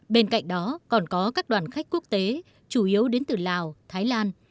bên cạnh đó còn có các đoàn khách quốc tế chủ yếu đến từ lào thái lan